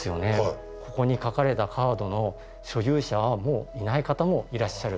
ここに書かれたカードの所有者はもういない方もいらっしゃる。